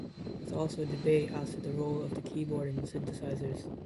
There was also debate as to the role of the keyboard in synthesizers.